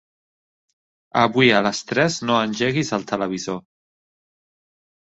Avui a les tres no engeguis el televisor.